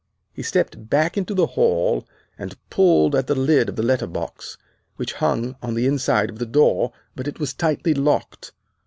He stepped back into the hall and pulled at the lid of the letterbox, which hung on the inside of the door, but it was tightly locked.